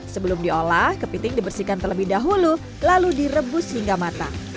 sebelum diolah kepiting dibersihkan terlebih dahulu lalu direbus hingga matang